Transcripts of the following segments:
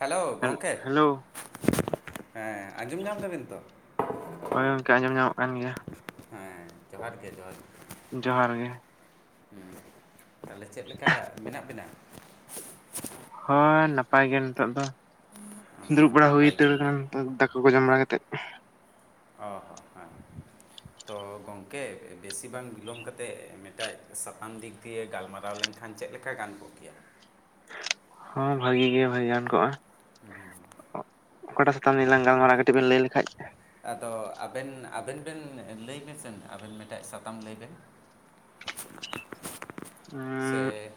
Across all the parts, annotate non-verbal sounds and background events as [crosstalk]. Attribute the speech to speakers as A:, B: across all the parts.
A: Hello
B: ᱦᱮᱞ
A: ᱜᱚᱝᱠᱮ
B: hello
A: ᱦᱮᱸ ᱟᱸᱡᱚᱢ ᱧᱟᱢ ᱫᱟᱵᱤᱱ ᱛᱚ
B: ᱦᱳᱭ ᱜᱚᱝᱠᱮ ᱟᱸᱡᱚᱢ ᱧᱟᱢᱚᱜ ᱠᱟᱱ ᱜᱮᱭᱟ᱾
A: ᱦᱮᱸ ᱡᱚᱦᱟᱨ ᱜᱮ ᱡᱚᱦᱟᱨ
B: ᱡᱚᱦᱟᱨ ᱜᱮ
A: ᱦᱮᱸ ᱛᱟᱦᱚᱞᱮ ᱪᱮᱫ ᱞᱮᱠᱟ ᱢᱮᱱᱟᱜ ᱵᱤᱱᱟ?
B: ᱦᱳᱭ ᱱᱟᱯᱟᱭ ᱜᱮ ᱱᱤᱛᱳᱜ ᱫᱚ
A: ᱚ,
B: ᱫᱩᱲᱩᱵ ᱵᱟᱲᱟ ᱦᱩᱭ
A: ᱱᱟᱯᱟᱭ ᱜᱮ
B: ᱩᱛᱟᱹᱨ
A: ᱢᱮᱱᱟᱜ
B: ᱠᱟᱱᱟ ᱫᱟᱠᱟ ᱠᱩ ᱡᱚᱢ ᱵᱟᱲᱟ ᱠᱟᱛᱮᱜ
A: ᱚ ᱦᱚᱸ ᱦᱮᱸ ᱦᱮ ᱛᱚ ᱜᱚᱝᱠᱮ ᱵᱮᱥᱤ ᱵᱟᱝ ᱵᱤᱞᱚᱢ ᱠᱟᱛᱮᱜ ᱢᱤᱫᱴᱟᱜ ᱥᱟᱛᱟᱢ ᱫᱤᱠ ᱫᱤᱭᱮ ᱜᱟᱞᱢᱟᱨᱟᱣ ᱞᱮᱱ ᱠᱷᱟᱱ ᱪᱮᱜ ᱞᱮᱠᱟ ᱜᱟᱱ ᱠᱚᱜ ᱠᱮᱭᱟ
B: ᱦᱚᱸ ᱵᱷᱟᱹᱜᱤ ᱜᱮ ᱵᱷᱟᱹᱜ ᱜᱟᱱ ᱠᱚᱜᱼᱟ ᱚᱠᱟᱴᱟᱜ ᱥᱟᱛᱟᱢ ᱱᱤᱭᱟᱹ ᱞᱟᱝ ᱜᱟᱞᱢᱟᱨᱟᱜ ᱠᱟᱹᱴᱤᱡ ᱵᱮᱱ ᱞᱟᱹᱭ ᱞᱮᱠᱷᱟᱡ
A: ᱟᱫᱚ ᱟᱵᱮᱱ ᱟᱵᱮᱱ ᱵᱮᱱ ᱮᱸ ᱞᱟᱹᱭ ᱵᱮ ᱥᱮᱱ ᱟᱵᱮᱱ ᱢᱤᱫᱴᱮᱱ ᱥᱟᱛᱟᱢ ᱞᱟᱹᱭ ᱵᱮᱱ
B: ᱩᱸ
A: ᱥᱮ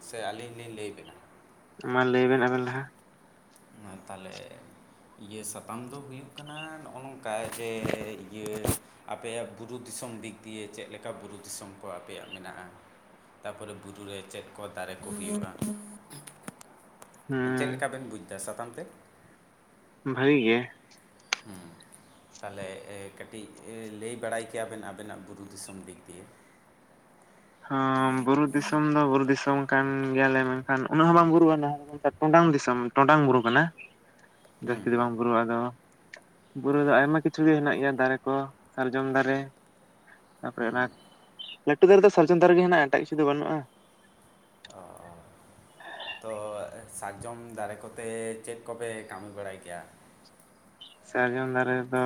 A: ᱥᱮ ᱟᱹᱞᱤᱧ ᱞᱤᱧ ᱞᱟᱹᱭ ᱵᱮᱱᱟ?
B: ᱢᱟ ᱞᱟᱹᱭ ᱵᱮᱱ ᱟᱵᱮᱱ ᱞᱟᱦᱟ
A: ᱢᱟ ᱛᱟᱦᱚᱞᱮ ᱤᱭᱟᱹ ᱥᱟᱛᱟᱢ ᱫᱚ ᱦᱩᱭᱩᱜ ᱠᱟᱱᱟ ᱱᱚᱜᱼᱚ ᱱᱚᱝᱠᱟ ᱡᱮ ᱤᱭᱟᱹ ᱟᱯᱮᱭᱟᱜ ᱵᱩᱨᱩ ᱫᱤᱥᱚᱢ ᱫᱤᱠ ᱫᱤᱭᱮ ᱪᱮᱫ ᱞᱮᱠᱟ ᱵᱩᱨᱩ ᱫᱤᱥᱚᱢ ᱠᱚ ᱟᱯᱮᱭᱟᱜ ᱢᱮᱱᱟᱜᱼᱟ? ᱛᱟᱨᱯᱚᱨᱮ ᱵᱩᱨᱩ ᱨᱮ ᱪᱮᱫ ᱠᱚ ᱫᱟᱨᱮ ᱠᱚ ᱦᱩᱭᱩᱜᱼᱟ? ᱪᱮᱫ
B: ᱦᱩᱸ
A: ᱞᱮᱠᱟ ᱵᱮᱱ ᱵᱩᱡᱽ ᱫᱟ ᱥᱟᱛᱟᱢ ᱛᱮᱜ
B: ᱵᱷᱟᱹᱜᱤ ᱜᱮ
A: ᱦᱩᱸ ᱛᱟᱦᱚᱞᱮ ᱮ ᱠᱟᱹᱴᱤᱡ ᱞᱟᱹᱭ ᱵᱟᱲᱟᱭ ᱠᱮᱭᱟᱵᱮᱱ ᱟᱵᱮᱱᱟᱜ ᱵᱩᱨᱩ ᱫᱤᱥᱚᱢ ᱫᱤᱠ ᱫᱤᱭᱮ
B: ᱦᱚᱸ ᱵᱩᱨᱩ ᱫᱤᱥᱚᱢ ᱫᱚ ᱵᱩᱨᱩ ᱫᱤᱥᱚᱢ ᱠᱟᱱ ᱜᱮᱭᱟᱞᱮ ᱢᱮᱱᱠᱷᱟᱱ ᱩᱱᱟᱹᱜ ᱦᱚᱸ ᱵᱟᱝ ᱵᱩᱨᱩᱣᱟ ᱱᱟᱜ ᱴᱚᱸᱰᱟᱝ ᱫᱤᱥᱚᱢ ᱴᱚᱸᱰᱟᱝ ᱵᱩᱨᱩ ᱠᱟᱱᱟ
A: [inaudible]
B: ᱡᱟᱹᱥᱛᱤ ᱫᱚ ᱵᱟᱝ ᱵᱩᱨᱩᱣᱟ ᱟᱫᱚ ᱵᱩᱨᱩ ᱫᱚ ᱟᱭᱢᱟ ᱠᱤᱪᱷᱩ ᱜᱮ ᱦᱮᱱᱟᱜ ᱜᱮᱭᱟ ᱫᱟᱨᱮ ᱠᱚ ᱥᱟᱨᱡᱚᱢ ᱫᱟᱨᱮ ᱛᱟᱯᱚᱨᱮ ᱚᱱᱟ ᱞᱟᱹᱴᱩ ᱫᱟᱨᱮ ᱫᱚ ᱥᱚᱨᱡᱚᱢ ᱫᱟᱨᱮ ᱜᱮ ᱦᱮᱱᱟᱜᱼᱟ, ᱮᱴᱟᱜ ᱠᱤᱪᱷᱩ ᱫᱚ ᱵᱟᱹᱱᱩᱜᱼᱟ᱾
A: ᱚ ᱛᱚ ᱥᱟᱨᱡᱚᱢ ᱫᱟᱨᱮ ᱠᱚᱛᱮ ᱪᱮᱫ ᱠᱚᱯᱮ ᱠᱟᱹᱢᱤ ᱵᱟᱲᱟᱭ ᱜᱮᱭᱟ?
B: ᱥᱟᱨᱡᱚᱢ ᱫᱟᱨᱮ ᱫᱚ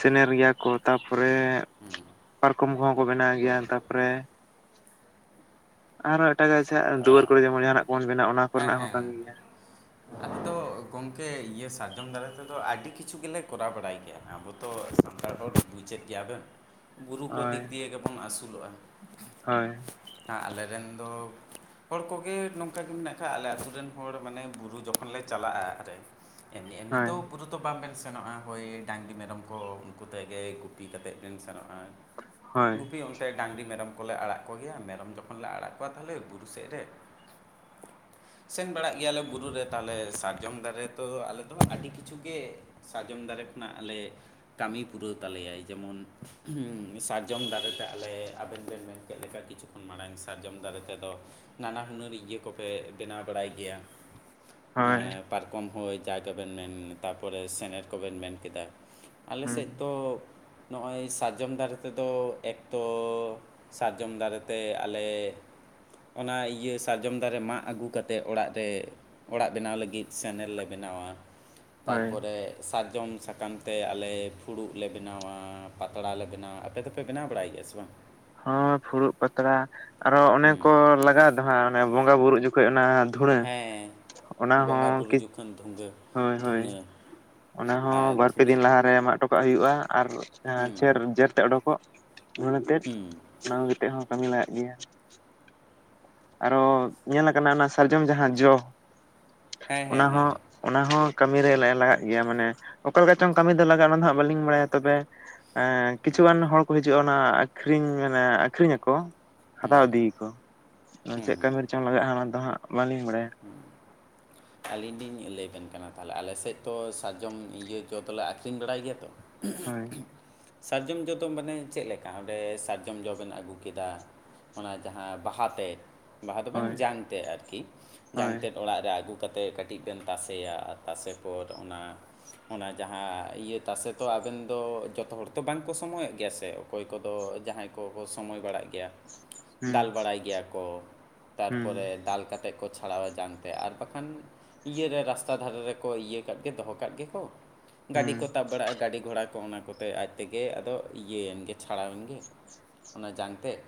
B: ᱥᱮᱱᱮᱨ ᱜᱮᱭᱟ ᱠᱚ ᱛᱟᱯᱚᱨᱮ ᱯᱟᱨ ᱠᱚᱢ ᱠᱚᱦᱚᱸ ᱠᱚ ᱵᱮᱱᱟᱣ ᱜᱮᱭᱟ ᱛᱟᱯᱚᱨᱮ ᱟᱨᱦᱚᱸ ᱮᱴᱟᱜᱟᱜ ᱟᱪᱷᱟ ᱫᱩᱣᱟᱹᱨ ᱠᱚᱨᱮ ᱡᱮᱢᱚᱱ ᱡᱟᱦᱟᱱᱟᱜ ᱵᱚᱱ ᱵᱮᱱᱟ ᱚᱱᱟ ᱠᱚᱨᱮᱱᱟᱜ ᱦᱚᱸ ᱠᱟᱹᱢᱤ ᱜᱮᱭᱟ
A: ᱟᱫᱚ ᱜᱚᱝᱠᱮ ᱤᱭᱟᱹ ᱥᱟᱨᱡᱚᱢ ᱫᱟᱨᱮ ᱛᱮᱫᱚ ᱟᱹᱰᱤ ᱠᱤᱪᱷᱩ ᱜᱮᱞᱮ ᱠᱚᱨᱟᱣ ᱵᱟᱲᱟᱭ ᱜᱮᱭᱟ ᱟᱵᱚ ᱛᱚ ᱥᱟᱱᱛᱟᱲ ᱦᱚᱲ ᱵᱩᱡᱮᱫ ᱜᱮᱭᱟᱵᱚᱱ, ᱵᱩᱨᱩ ᱠᱚ
B: ᱦᱳᱭ
A: ᱫᱤᱠ ᱫᱤᱭᱮ ᱜᱮᱵᱚᱱ ᱟᱹᱥᱩᱞᱚᱜᱼᱟ ᱾
B: ᱦᱳᱭ
A: ᱟ ᱟᱞᱮᱨᱮᱱ ᱫᱚ ᱦᱚᱲ ᱠᱚᱜᱮ ᱱᱚᱝᱠᱟ ᱜᱮ ᱢᱮᱱᱟᱜ ᱠᱟᱜ ᱟᱞᱮ ᱟᱹᱛᱩ ᱨᱮᱱ ᱦᱚᱲ ᱢᱟᱱᱮ ᱵᱩᱨᱩ ᱡᱚᱠᱷᱚᱱ ᱞᱮ ᱪᱟᱞᱟᱜᱼᱟ ᱨᱮ ᱮ ᱮᱢᱱᱤ
B: ᱦᱳᱭ
A: ᱛᱮᱣᱚ ᱵᱩᱨᱩ ᱫᱚ ᱵᱟᱝᱵᱮᱱ ᱥᱮᱱᱚᱜᱼᱟ ᱦᱳᱭ ᱰᱟᱝᱨᱤ ᱢᱮᱨᱚᱢ ᱠᱚ ᱩᱝᱠᱩ ᱛᱮᱜᱮ ᱜᱩᱯᱤ ᱠᱟᱛᱮᱫ ᱵᱮᱱ ᱥᱮᱱᱚᱜᱼᱟ
B: ᱦᱳᱭ
A: ᱜᱩᱯᱤ ᱚᱱᱛᱮ ᱰᱟᱝᱨᱤ ᱢᱮᱨᱚᱢ ᱠᱚᱞᱮ ᱟᱲᱟᱜ ᱠᱚ ᱜᱮᱭᱟ ᱢᱮᱨᱚᱢ ᱡᱚᱠᱷᱚᱱ ᱞᱮ ᱟᱲᱟᱜ ᱠᱚᱣᱟ ᱛᱟᱦᱚᱞᱮ ᱵᱩᱨᱩ ᱥᱮᱜ ᱨᱮ ᱥᱮᱱ ᱵᱟᱲᱟᱜ ᱜᱮᱭᱟᱞᱮ ᱵᱩᱨᱩ ᱨᱮ ᱛᱟᱦᱞᱮ ᱥᱟᱨᱡᱚᱢ ᱫᱟᱨᱮ ᱛᱚ ᱟᱞᱮ ᱫᱚ ᱟᱹᱰᱤ ᱠᱤᱪᱷᱩ ᱜᱮ ᱥᱟᱨᱡᱚᱢ ᱫᱟᱨᱮ ᱠᱷᱚᱱᱟᱜ ᱟᱞᱮ ᱠᱟᱹᱢᱤ ᱯᱩᱨᱟᱹᱣ ᱛᱟᱞᱮᱭᱟᱭ, ᱡᱮᱢᱚᱱ ᱩᱸ ᱥᱟᱨᱡᱚᱢ ᱫᱟᱨᱮ ᱛᱮ ᱟᱞᱮ ᱟᱵᱮᱱ ᱵᱮᱱ ᱢᱮᱱ ᱠᱮᱫ ᱞᱮᱠᱟᱜᱤ ᱡᱚᱠᱷᱚᱱ ᱢᱟᱲᱟᱝ ᱥᱟᱨᱡᱚᱢ ᱫᱟᱨᱮ ᱛᱮᱫᱚ ᱱᱟᱱᱟ ᱦᱩᱱᱟᱹᱨ ᱤᱭᱟᱹ ᱠᱚᱯᱮ ᱵᱮᱱᱟᱣ ᱵᱟᱲᱟᱭ ᱜᱮᱭᱟ
B: ᱦᱳᱭ
A: ᱮᱸ ᱯᱟᱨᱠᱚᱢ ᱦᱚᱭ ᱡᱟᱜᱮ ᱵᱮᱱ ᱢᱮᱱ ᱛᱟᱨᱯᱚᱨᱮ ᱥᱮᱱᱮᱨ ᱠᱚᱵᱮᱱ ᱢᱮᱱ ᱠᱮᱫᱟ ᱟᱞᱮ
B: ᱦᱩᱸ
A: ᱥᱮᱫ ᱫᱚ ᱱᱚᱜᱼᱚᱭ ᱥᱟᱨᱡᱚᱢ ᱫᱟᱨᱮ ᱛᱮᱫᱚ ᱮᱠᱛᱚ ᱥᱟᱨᱡᱚᱢ ᱫᱟᱨᱮ ᱛᱮ ᱟᱞᱮ ᱚᱱᱟ ᱤᱭᱟᱹ ᱥᱟᱨᱡᱚᱢ ᱫᱟᱨᱮ ᱢᱟᱜ ᱟᱹᱜᱩ ᱠᱟᱛᱮᱜ ᱚᱲᱟᱜ ᱨᱮ ᱚᱲᱟᱜ ᱵᱮᱱᱟᱣ ᱞᱟᱹᱜᱤᱫ ᱥᱮᱱᱮᱨ ᱞᱮ ᱵᱮᱱᱟᱣᱟ,
B: ᱦᱳᱭ
A: ᱛᱟᱨᱯᱚᱨᱮ ᱥᱟᱨᱡᱚᱢ ᱥᱟᱠᱟᱢ ᱛᱮ ᱟᱞᱮ ᱯᱷᱩᱲᱩᱜ ᱞᱮ ᱵᱮᱱᱟᱣᱟ ᱯᱟᱛᱲᱟ ᱞᱮ ᱵᱮᱱᱟᱣᱟ, ᱟᱯᱮ ᱫᱚᱯᱮ ᱵᱮᱱᱟᱣ ᱵᱟᱲᱟᱭ ᱜᱮᱭᱟ ᱥᱮ ᱵᱟᱝ?
B: ᱦᱳᱸ ᱯᱷᱩᱲᱩᱜ ᱯᱟᱛᱲᱟ ᱟᱨᱚ ᱚᱱᱮ ᱠᱚ
A: ᱦᱮᱸ
B: ᱞᱟᱜᱟᱣ ᱫᱚ ᱦᱟᱸᱜ ᱚᱱᱮ ᱵᱚᱸᱜᱟ ᱵᱩᱨᱩᱜ ᱡᱚ ᱠᱷᱚᱡ ᱚᱱᱟ ᱫᱷᱩᱲᱟᱹ ᱚᱱᱟ ᱦᱚᱸ ᱠᱤ
A: ᱢᱮᱱ ᱫᱷᱩᱸᱜᱟ
B: ᱦᱳᱭ ᱦᱳᱭ ᱚᱱᱟ ᱦᱚᱸ ᱵᱟᱨ ᱯᱮ
A: ᱫᱷᱩᱱᱟᱹ
B: ᱫᱤᱱ ᱞᱟᱦᱟᱨᱮ ᱢᱟᱜ ᱦᱚᱴᱚᱠᱟᱜ ᱦᱩᱭᱩᱜᱼᱟ ᱟᱨ
A: ᱦᱩᱸ,
B: ᱡᱮᱨ ᱛᱮ ᱚᱰᱚᱠ [unintelligible] ᱛᱮᱫ
A: ᱦᱩᱸ᱾
B: ᱚᱱᱟ ᱠᱟᱛᱮᱫ ᱦᱚᱸ ᱠᱟᱹᱢᱤ ᱞᱟᱜᱟᱜ ᱜᱮᱭᱟ᱾ ᱟᱨᱚ ᱧᱮᱞ ᱟᱠᱟᱱᱟ ᱚᱱᱟ ᱥᱟᱨᱡᱚᱢ ᱡᱟᱦᱟᱸ ᱡᱚ
A: ᱦᱮᱸ, ᱦᱮᱸ,
B: ᱚᱱᱟ
A: ᱦᱮᱸ, ᱦᱮᱸ,
B: ᱦᱚᱸ ᱚᱱᱟ ᱦᱚᱸ ᱠᱟᱹᱢᱤᱨᱮ ᱞᱟᱜᱟᱜ ᱜᱮᱭᱟ ᱢᱟᱱᱮ ᱚᱠᱟ ᱞᱮᱠᱟ ᱪᱚᱝ ᱠᱟᱹᱢᱤ ᱫᱚ ᱞᱟᱜᱟᱜᱼᱟ ᱚᱱᱟ ᱫᱚ ᱦᱟᱜ ᱵᱟᱹᱞᱤᱧ ᱵᱟᱲᱟᱭᱟ ᱛᱚᱵᱮ ᱠᱤᱪᱷᱩ
A: ᱦᱩᱸ᱾
B: ᱜᱟᱱ ᱦᱚᱲ ᱠᱚ ᱦᱤᱡᱩᱜᱼᱟ ᱚᱱᱟ ᱟᱠᱷᱨᱤᱧ ᱢᱟᱱᱮ ᱟᱠᱷᱨᱤᱧ ᱟᱠᱚ ᱦᱟᱛᱟᱣ ᱤᱫᱤᱭᱟᱠᱚ ᱪᱮᱫ ᱠᱟᱹᱢᱤ ᱨᱮᱪᱚᱝ ᱞᱟᱜᱟᱜᱼᱟ ᱚᱱᱟ ᱫᱚ ᱦᱟᱸᱜ ᱵᱟᱞᱤᱧ ᱵᱟᱲᱟᱭᱟ
A: ᱟᱹᱞᱤᱧ ᱞᱤᱧ ᱞᱟᱹᱭ ᱟᱵᱮᱱ ᱠᱟᱱᱟ ᱛᱟᱦᱚᱞᱮ ᱟᱞᱮᱥᱮᱫ ᱛᱚ ᱥᱟᱨᱡᱚᱢ ᱤᱭᱟᱹ ᱡᱚ ᱫᱚᱞᱮ ᱟᱠᱷᱨᱤᱧ ᱵᱟᱲᱟᱭ ᱜᱮᱭᱟ ᱛᱚ
B: ᱦᱳᱭ
A: ᱥᱟᱨᱡᱚᱢ ᱡᱚ ᱫᱚ ᱢᱟᱱᱮ ᱪᱮᱫ ᱞᱮᱠᱟ ᱚᱸᱰᱮ ᱥᱟᱨᱡᱚᱢ ᱡᱚ ᱵᱮᱱ ᱟᱹᱜᱩ ᱠᱮᱫᱟ ᱚᱱᱟ ᱡᱟᱦᱟᱸ ᱵᱟᱦᱟ ᱛᱮᱫ ᱵᱟᱦᱟ ᱫᱚ
B: ᱦᱳᱭ
A: ᱵᱟᱝ ᱡᱟᱝ ᱛᱮᱫ ᱟᱨᱠᱤ
B: ᱦᱳᱭ
A: ᱡᱟᱝ ᱛᱮᱫ ᱚᱲᱟᱜ ᱨᱮ ᱟᱹᱜᱩ ᱠᱟᱛᱮᱫ ᱠᱟᱹᱴᱤᱡ ᱵᱮᱱ ᱛᱟᱥᱮᱭᱟ ᱛᱟᱥᱮ ᱯᱚᱨ ᱚᱱᱟ ᱚᱱᱟ ᱡᱟᱦᱟᱸ ᱤᱭᱟᱹ ᱛᱟᱥᱮ ᱛᱚ ᱟᱵᱮᱱ ᱫᱚ ᱡᱚᱛᱚ ᱦᱚᱲ ᱛᱚ ᱵᱟᱝ ᱠᱚ ᱥᱚᱢᱚᱭ ᱼᱚᱜ ᱜᱮᱭᱟ ᱥᱮ ᱚᱠᱚᱭ ᱠᱚᱫᱚ ᱡᱟᱦᱟᱸᱭ ᱠᱚᱠᱚ ᱥᱚᱢᱚᱭ ᱵᱟᱲᱟᱜ ᱜᱮᱭᱟ ᱫᱟᱞ
B: ᱦᱩᱸ
A: ᱵᱟᱲᱟᱭ ᱜᱮᱭᱟ ᱠᱚ
B: ᱦᱩᱸ
A: ᱛᱟᱨᱯᱚᱨᱮ ᱫᱟᱞ ᱠᱟᱛᱮ ᱠᱚ ᱪᱷᱟᱲᱟᱣᱟ ᱡᱟᱝ ᱛᱮ ᱟᱨ ᱵᱟᱠᱷᱟᱱ ᱤᱭᱟᱹᱨᱮ ᱨᱟᱥᱛᱟ ᱫᱷᱟᱨᱮ ᱨᱮᱠᱚ ᱤᱭᱟᱹ ᱠᱟᱜ ᱜᱮ ᱫᱚᱦᱚ ᱠᱟᱜ ᱜᱮᱠᱚ ᱜᱟᱹᱰᱤ
B: ᱦᱩᱸ
A: ᱠᱚ ᱛᱟᱵ ᱵᱟᱲᱟᱜᱼᱟ ᱜᱟᱹᱰᱤ ᱜᱷᱚᱲᱟ ᱠᱚ ᱚᱱᱟ ᱠᱚᱛᱮ ᱟᱡ ᱛᱮᱜᱮ ᱟᱫᱚ ᱤᱭᱟᱹᱭᱮᱱ ᱜᱮ ᱪᱷᱟᱲᱟᱣᱮᱱ ᱜᱮ ᱚᱱᱟ ᱡᱟᱝ ᱛᱮᱫ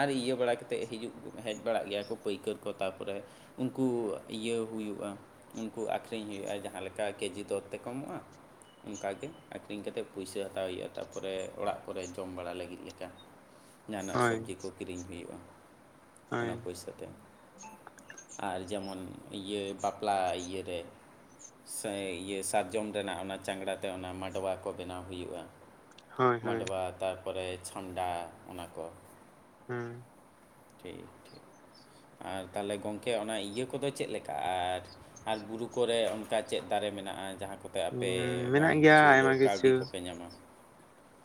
A: ᱟᱨ ᱤᱭᱟᱹ ᱵᱟᱲᱟ ᱠᱟᱛᱮᱫ ᱦᱤᱡᱩᱜ ᱦᱮᱡ ᱵᱟᱲᱟᱜ ᱜᱮᱭᱟ ᱠᱚ ᱯᱟᱹᱭᱠᱟᱹᱨ ᱠᱚ ᱛᱟᱨᱯᱚᱨᱮ ᱩᱱᱠᱩ ᱤᱭᱟᱹ ᱦᱩᱭᱩᱜᱼᱟ ᱩᱱᱠᱩ ᱟᱠᱷᱨᱤᱧ ᱦᱩᱭᱩᱜᱼᱟ ᱡᱟᱦᱟᱸ ᱞᱮᱠᱟ ᱠᱮᱡᱤ ᱫᱚᱨ ᱛᱮᱠᱚ ᱮᱢᱚᱜᱼᱟ ᱚᱱᱠᱟᱟᱜ ᱜᱮ ᱟᱠᱷᱨᱤᱧ ᱠᱟᱛᱮᱜ ᱯᱩᱭᱥᱟᱹ ᱦᱟᱛᱟᱣ ᱦᱩᱭᱩᱜᱼᱟ ᱛᱟᱯᱚᱨᱮ ᱚᱲᱟᱜ ᱠᱚᱨᱮ ᱡᱚᱢ ᱵᱟᱲᱟ ᱞᱟᱹᱜᱤᱫ ᱞᱮᱠᱟ ᱡᱟᱦᱟᱱᱟᱜ
B: ᱦᱳᱭ
A: ᱥᱚᱵᱽᱡᱤ ᱠᱚ ᱠᱤᱨᱤᱧ ᱦᱩᱭᱩᱜᱼᱟ
B: ᱦᱳᱭ
A: ᱚᱱᱟ ᱯᱚᱭᱥᱟ ᱛᱮ ᱟᱨ ᱡᱮᱢᱚᱱ ᱤᱭᱟᱹ ᱵᱟᱯᱞᱟ ᱤᱭᱟᱹᱨᱮ ᱥᱮ ᱤᱭᱟᱹ ᱥᱟᱨᱡᱚᱢ ᱨᱮᱱᱟᱜ ᱚᱱᱟ ᱪᱟᱝᱲᱟ ᱛᱮ ᱚᱱᱟ ᱢᱟᱰᱣᱟ ᱠᱚ ᱵᱮᱱᱟᱣ ᱦᱩᱭᱩᱜᱼᱟ
B: ᱦᱳᱭ ᱦᱳᱭ
A: ᱢᱟᱰᱚᱣᱟ ᱛᱟᱨᱯᱚᱨᱮ ᱪᱷᱟᱢᱰᱟ ᱚᱱᱟ ᱠᱚ
B: ᱦᱩᱸ
A: ᱴᱷᱤᱠ ᱴᱷᱤᱠ, ᱟᱨ ᱛᱟᱦᱚᱞᱮ ᱜᱚᱝᱠᱮ ᱚᱱᱟ ᱤᱭᱟᱹ ᱠᱚᱫᱚ ᱪᱮᱫ ᱞᱮᱠᱟ ᱟᱨ ᱟᱨ ᱵᱩᱨᱩ ᱠᱚᱨᱮ ᱚᱱᱠᱟ ᱪᱮᱫ ᱫᱟᱨᱮ ᱢᱮᱱᱟᱜᱼᱟ ᱡᱟᱦᱟᱸ ᱠᱚ ᱟᱯᱮ
B: ᱦᱩᱸ
A: ᱵᱟᱝ
B: ᱢᱮᱱᱟᱜ ᱜᱮᱭᱟ
A: ᱠᱤᱪᱷᱩ ᱦᱳᱞᱳ
B: ᱟᱭᱢᱟ
A: ᱠᱟᱹᱣᱰᱤ ᱠᱚᱯᱮ ᱧᱟᱢᱟ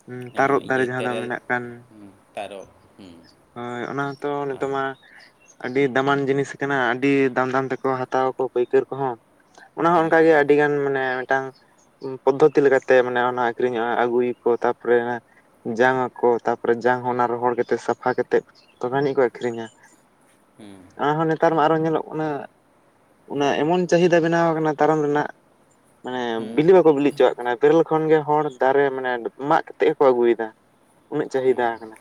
B: ᱦᱩ ᱸ ᱛᱟᱨᱚᱯ ᱫᱟᱨᱮ ᱡᱟᱦᱟᱸ ᱫᱚ ᱢᱮᱱᱟᱜ ᱠᱟᱱ
A: ᱛᱟᱨᱚᱯ,
B: ᱦᱳᱭ ᱚᱱᱟ ᱦᱚᱛᱚ ᱱᱤᱛᱚᱜ ᱢᱟ, ᱟᱹᱰᱤ ᱫᱟᱢᱟᱱ ᱡᱤᱱᱤᱥ ᱠᱟᱱᱟ ᱟᱹᱰᱤ ᱫᱟᱢ ᱫᱟᱢ ᱛᱮᱠᱚ ᱦᱟᱛᱟᱣᱼᱟᱠ ᱯᱟᱹᱭᱠᱟᱹᱨ ᱠᱚᱦᱚᱸ, ᱚᱱᱟ ᱦᱚᱸ
A: ᱦᱮᱸ
B: ᱚᱱᱠᱟᱜᱮ
A: ᱦᱮᱸ
B: ᱟᱹᱰᱤ ᱜᱟᱱ ᱢᱟᱱᱮ ᱢᱮᱴᱴᱟᱝ ᱯᱚᱫᱽᱫᱷᱚᱛᱤ ᱞᱮᱠᱟᱛᱮ ᱢᱟᱱᱮ ᱚᱱᱟ ᱟᱠᱷᱨᱤᱧᱚᱜᱼᱟ ᱟᱹᱜᱩᱭ ᱟᱠᱚ ᱛᱟᱨᱯᱚᱨᱮ ᱡᱟᱝ ᱟᱠᱚ ᱛᱟᱯᱚᱨᱮ ᱡᱟᱝ ᱦᱚ ᱚᱱᱟ ᱨᱚᱦᱚᱲ ᱠᱟᱛᱮ ᱥᱟᱯ ᱯᱷᱟ ᱠᱟᱛᱮᱫ ᱛᱚᱵᱮ ᱟᱹᱱᱤᱡ ᱠᱚ ᱟᱹᱠᱷᱨᱤᱧᱟ ᱾
A: ᱦᱩᱸ
B: ᱚᱱᱟᱦᱚᱸ ᱱᱮᱛᱟᱨ ᱢᱟ ᱟᱨᱚ ᱧᱮᱞᱚᱜ ᱠᱟᱱᱟ ᱚᱱᱟ ᱮᱢᱚᱱ ᱪᱟᱦᱤᱫᱟ ᱵᱮᱱᱟᱣ ᱟᱠᱟᱱᱟ ᱛᱟᱨᱟᱢ ᱨᱮᱱᱟᱜ, ᱢᱟᱱᱮ
A: ᱦᱮᱸ
B: ᱵᱤᱞᱤ ᱵᱟᱠᱚ ᱵᱤᱞᱤ ᱦᱚᱪᱚᱣᱟᱜ ᱠᱟᱱᱟ ᱛᱚᱵᱩ, ᱡᱚ ᱠᱷᱚᱱ ᱜᱮ ᱦᱚᱲ ᱫᱟᱨᱮ ᱢᱟᱱᱮ ᱢᱟᱜ ᱠᱟᱛᱮᱫ ᱦᱚᱸᱠᱚ ᱟᱹᱜᱩᱭ ᱫᱟ, ᱩᱱᱟᱹᱜ ᱪᱟᱹᱦᱤ
A: ᱦᱮᱸ
B: ᱫᱟ ᱟᱠᱟᱱᱟ᱾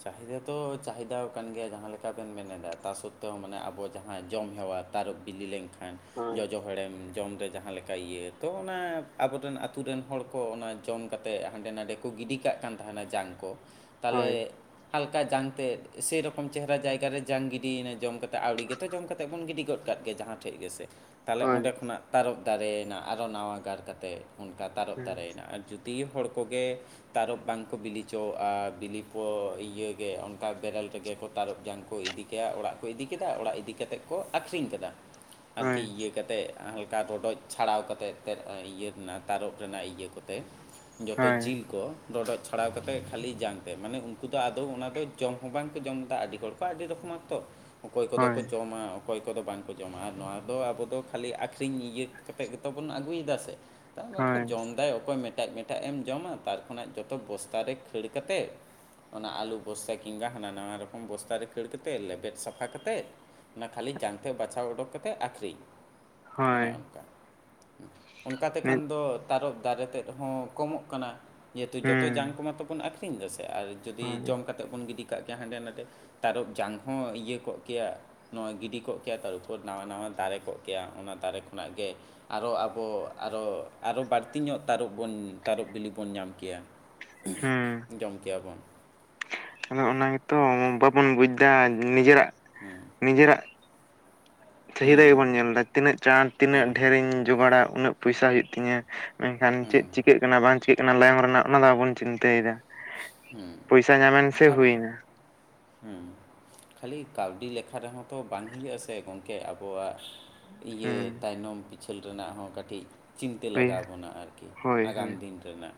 A: ᱪᱟᱦᱤᱫᱟ ᱛᱚ ᱪᱟᱦᱤᱫᱟᱣ ᱠᱟᱱ ᱜᱮᱭᱟ ᱡᱟᱦᱟᱸ ᱞᱮᱠᱟ ᱵᱮᱱ ᱢᱮᱱ ᱮᱫᱟ ᱛᱟ ᱥᱚᱛᱛᱮᱳ ᱢᱟᱱᱮ ᱟᱵᱚ ᱡᱟᱦᱟᱸᱭ ᱡᱚᱢ ᱦᱮᱣᱟ ᱟᱨ ᱛᱟᱨᱚᱵ ᱵᱤᱞᱤ ᱞᱮᱱᱠᱷᱟᱱ
B: ᱦᱳᱭ
A: ᱡᱚᱡᱚ ᱦᱚᱲᱮᱢ ᱡᱚᱢ ᱨᱮ ᱡᱟᱦᱟᱸ ᱞᱮᱠᱟ ᱤᱭᱟᱹ ᱛᱚ ᱚᱱᱟ ᱟᱵᱚᱨᱮᱱ ᱟᱛᱳ ᱨᱮᱱ ᱦᱚᱲ ᱠᱚ ᱚᱱᱟ ᱡᱚᱢ ᱠᱟᱛᱮ ᱦᱟᱸᱰᱮ ᱱᱟᱰᱮ ᱠᱚ, ᱠᱚ ᱜᱤᱰᱤ ᱠᱟᱜ ᱠᱟᱱ ᱛᱟᱦᱮᱱᱟ ᱡᱟᱝ ᱠᱚ ᱛᱟᱞᱮ
B: ᱦᱳᱭ
A: ᱦᱟᱞᱠᱟ ᱡᱟᱝᱛᱮ ᱥᱮ ᱨᱚᱠᱚᱢ ᱪᱮᱦᱨᱟ ᱡᱟᱭᱜᱟᱨᱮ ᱡᱟᱝ ᱜᱤᱰᱤᱭᱮᱱᱟ ᱡᱚᱢ ᱠᱟᱛᱮ ᱟᱹᱣᱲᱤ ᱜᱮᱛᱚ ᱡᱚᱢ ᱠᱟᱛᱮ ᱵᱚᱱ ᱜᱤᱰᱤ ᱜᱚᱫ ᱠᱟᱜ ᱜᱮ ᱡᱟᱦᱟᱸ ᱴᱷᱮᱡ ᱜᱮᱥᱮ ᱛᱟᱦᱚᱞᱮ
B: ᱦᱳᱭ
A: ᱚᱸᱰᱮ ᱠᱷᱚᱱᱟᱜ ᱛᱟᱨᱚᱵ ᱫᱟᱨᱮᱭᱮᱱᱟ ᱟᱨᱚ ᱱᱟᱣᱟ ᱜᱟᱨ ᱠᱟᱛᱮ ᱚᱱᱠᱟ ᱛᱟᱨᱚᱯ
B: ᱦᱳᱭ
A: ᱫᱟᱨᱮᱭᱮᱱᱟ ᱟᱨ ᱡᱩ ᱫᱤ ᱦᱚᱲ ᱠᱚᱜᱮ ᱛᱟᱨᱚᱵ ᱵᱟᱝᱠᱚ ᱵᱤᱞᱤ ᱦᱚᱪᱚᱣᱟᱜᱼᱟ ᱵᱤᱞᱤ ᱠᱚ ᱤᱭᱟᱹ ᱜᱮ ᱚᱱᱠᱟ ᱵᱮᱨᱮᱞ ᱛᱮᱜᱮ ᱠᱚ ᱛᱟᱨᱚᱯ ᱡᱟᱝ ᱠᱚ ᱤᱫᱤ ᱠᱮᱜᱼᱟ ᱚᱲᱟᱜ ᱠᱚ ᱤᱫᱤ ᱠᱮᱫᱟ ᱚᱲᱟᱜ ᱤᱫᱤ ᱠᱟᱛᱮᱫ ᱠᱚ ᱟᱠᱷᱨᱤᱧ ᱠᱟᱫᱟ ᱾ ᱟᱨᱠᱤ ᱤᱭᱟᱹ ᱠᱟᱛᱮ ᱦᱟᱞᱠᱟ ᱨᱚᱰᱚᱡᱽ ᱾ ᱪᱷᱟᱲᱟᱣ ᱠᱟᱛᱮ ᱛᱮᱛ ᱤᱭᱟᱹ ᱨᱮᱱᱟᱜ ᱛᱟᱨᱚᱵ ᱨᱮᱱᱟᱜ ᱤᱭᱟᱹ ᱠᱚᱛᱮ ᱡᱚᱛᱚ
B: ᱦᱳᱭ
A: ᱡᱤᱞ ᱠᱚ, ᱨᱚᱰᱚᱡ ᱪᱷᱟᱲᱟᱣ ᱠᱟᱛᱮ ᱠᱷᱟᱹᱞᱤ ᱡᱟᱝ ᱛᱮ ᱢᱟᱱᱮ ᱩᱱᱠᱩ ᱛᱚ ᱟᱫᱚ ᱚᱱᱟ ᱫᱚ ᱡᱚᱢ ᱦᱚᱸ ᱵᱟᱝᱠᱚ ᱡᱚᱢᱫᱟ ᱟᱹᱰᱤ ᱦᱚᱲ ᱠᱚ ᱟᱹᱰᱤ ᱨᱚᱠᱚᱢᱟᱛᱚ ᱚᱠᱚᱭ ᱠᱚᱫᱚ ᱠᱚ
B: ᱦᱳᱭ
A: ᱡᱚᱢᱟ ᱚᱠᱚᱭ ᱠᱚᱫᱚ ᱵᱟᱝᱠᱚ ᱡᱚᱢᱟ ᱟᱨ ᱱᱚᱣᱟ ᱫᱚ ᱟᱵᱚ ᱫᱚ ᱠᱷᱟᱹᱞᱤ ᱟᱠᱷᱨᱤᱧ ᱤᱭᱟᱹ ᱠᱟᱛᱮᱫ ᱜᱮᱛᱚ ᱵᱚᱱ ᱟᱹᱜᱩᱭᱮᱫᱟ ᱥᱮ, ᱛᱟᱨ ᱢᱟᱛᱚ
B: ᱦᱳᱭ
A: ᱡᱚᱢᱫᱟᱭ ᱚᱠᱚᱭ ᱢᱮᱴᱟᱜ ᱢᱮᱴᱟᱜ ᱮᱢ ᱡᱚᱢᱟ ᱛᱟᱨ ᱠᱷᱚᱱᱟᱜ ᱡᱚᱛᱚ ᱵᱚᱥᱛᱟ ᱨᱮ ᱠᱷᱟᱹᱲ ᱠᱟᱛᱮᱜ, ᱚᱱᱟ ᱟᱞᱩ ᱵᱚᱥᱛᱟ ᱠᱤᱝᱵᱟ ᱦᱟᱱᱟ ᱱᱟᱱᱟ ᱨᱚᱠᱚᱢ ᱵᱚᱥᱛᱟ ᱨᱮ ᱠᱷᱟᱹᱲ ᱠᱟᱛᱮᱫ ᱞᱮᱵᱮᱫ ᱥᱟᱯᱷᱟ ᱠᱟᱛᱮᱫ ᱚᱱᱟ ᱠᱷᱟᱹᱞᱤ ᱡᱟᱝᱛᱮ ᱵᱟᱪᱷᱟᱣ ᱩᱰᱳᱠ ᱠᱟᱛᱮᱫ ᱟᱠᱷᱚᱨᱤᱧ ᱚᱱᱮ
B: ᱦᱳᱭ
A: ᱚᱱᱠᱟ ᱾ ᱚᱱᱠᱟ
B: ᱱᱤᱛ
A: ᱛᱮᱠᱷᱟᱱ ᱫᱚ ᱛᱟᱨᱚᱵ ᱫᱟᱨᱮ ᱛᱮᱫ ᱦᱚᱸ ᱠᱚᱢᱚᱜ ᱠᱟᱱᱟ ᱡᱮᱦᱮᱛᱩ ᱡᱚᱛᱚ ᱡᱟᱝ
B: ᱦᱩᱸ
A: ᱠᱚᱢᱟ ᱛᱚᱵᱚᱱ ᱟᱹᱠᱷᱚᱨᱤᱧ ᱟᱹᱠᱷᱨᱤᱧ ᱫᱟᱥᱮ ᱟᱨ ᱡᱩᱫᱤ
B: ᱦᱳᱭ
A: ᱡᱚᱢ ᱠᱟᱛᱮᱫ ᱵᱚᱱ ᱜᱤᱰᱤ ᱠᱟᱜ ᱜᱮᱭᱟ ᱦᱟᱸᱰᱮ ᱱᱟᱰᱮ, ᱛᱟᱨᱚᱯ ᱡᱟᱝ ᱦᱚᱸ ᱤᱭᱟᱹ ᱠᱚᱜ ᱠᱮᱭᱟ ᱾ ᱱᱚᱜᱼᱚᱭ ᱜᱤᱰᱤ ᱠᱚᱜ ᱠᱮᱭᱟ ᱛᱟᱨᱯᱚᱨ ᱱᱟᱣᱟ ᱱᱟᱣᱟ ᱫᱟᱨᱮ ᱠᱚᱜ ᱠᱮᱭᱟ ᱚᱱᱟ ᱫᱟᱨᱮ ᱠᱷᱚᱱᱟᱜ ᱜᱮ, ᱟᱨᱚ ᱟᱵᱚ ᱟᱨᱚ ᱟᱨᱚ ᱵᱟᱹᱲᱛᱤ ᱧᱚᱜ ᱛᱟᱨᱚᱵ ᱵᱚᱱ ᱛᱟᱨᱚᱵ ᱵᱤᱞᱤ ᱵᱚᱱ ᱧᱟᱢ ᱠᱮᱭᱟ ᱾ ᱡᱚᱢ ᱠᱮᱭᱟ ᱵᱚᱱ ᱾
B: ᱚᱱᱮ ᱚᱱᱟ ᱜᱮᱛᱚ ᱵᱟᱵᱚᱱ ᱵᱩᱡᱽ ᱮᱫᱟ ᱱᱤᱡᱮᱨᱟᱜ ᱱᱤᱡᱮᱨᱟᱜ, ᱪᱟᱦᱤᱫᱟ
A: ᱦᱮᱸ
B: ᱜᱮᱵᱚᱱ ᱧᱮᱞᱫᱟ ᱛᱤᱱᱟᱹᱜ ᱪᱟᱬ ᱛᱤᱱᱟᱹᱜ
A: ᱦᱮᱸ
B: ᱰᱷᱮᱨᱤᱧ ᱡᱚᱜᱟᱲᱟ ᱩᱱᱟᱹᱜ ᱯᱚᱭᱥᱟ ᱦᱩᱭᱩᱜ ᱛᱤᱧᱟ ᱾ ᱢᱮᱱᱠᱷᱟᱱ
A: ᱦᱮᱸ
B: ᱪᱮᱫ ᱪᱤᱠᱟᱹᱜ ᱠᱟᱱᱟ ᱵᱟᱝ ᱪᱤᱠᱟᱹᱜ ᱠᱟᱱᱟ ᱞᱟᱭᱚᱝ ᱨᱮᱱᱟᱜ ᱚᱱᱟ ᱫᱚ ᱵᱟᱵᱚᱱ ᱪᱤᱱᱛᱟᱹᱭᱮᱫᱟ ᱾
A: ᱦᱩᱸ ᱠᱷᱟᱯ,
B: ᱦᱩᱭᱱᱟ
A: ᱦᱩᱸ ᱠᱷᱟᱹᱞᱤ ᱠᱟᱹᱣᱰᱤ ᱞᱮᱠᱷᱟ ᱨᱮᱦᱚᱸ ᱛᱚ ᱵᱟᱝ ᱦᱩᱭᱩᱜ ᱟᱥᱮ ᱜᱚᱢᱠᱮ ᱟᱵᱚᱣᱟᱜ ᱾ ᱤᱭᱟᱹ
B: ᱦᱩᱸ
A: ᱛᱟᱭᱱᱚᱢ ᱯᱤᱪᱷᱟᱹᱞ ᱨᱮᱱᱟᱜ ᱦᱚᱸ ᱠᱟᱹᱴᱤᱡ ᱾ ᱪᱤᱱᱛᱟᱹ
B: ᱦᱩᱭ
A: ᱞᱟᱜᱟᱣ ᱵᱚᱱᱟ ᱟᱨᱠᱤ
B: ᱦᱳᱭ
A: ᱟᱜᱟᱢ
B: ᱦᱳᱭ
A: ᱫᱤᱱ ᱨᱮᱱᱟᱜ